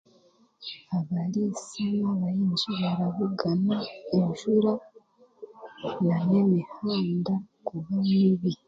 Abariisa n'abahingi barabugana enjuura na n'emihaanda kuba mibi.